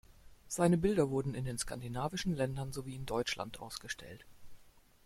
Seine Bilder wurden in den skandinavischen Ländern sowie in Deutschland ausgestellt.